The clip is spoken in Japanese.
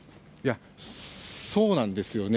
そうなんですよね。